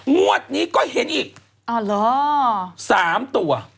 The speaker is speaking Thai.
งวดนี้ก็เห็นอีก๓ตัว